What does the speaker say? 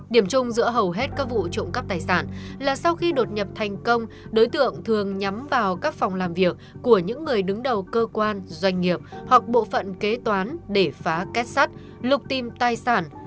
điểm chung giữa hầu hết các vụ trộm cắp tài sản là sau khi đột nhập thành công đối tượng thường nhắm vào các phòng làm việc của những người đứng đầu cơ quan doanh nghiệp hoặc bộ phận kế toán để phá kết sắt lục tìm tài sản